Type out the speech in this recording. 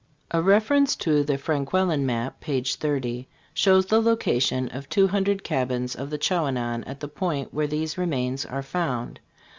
A reference to the Franquelin map (page 30) shows the location of two hundred cabins of the Chaouenon at the point where these remains are found.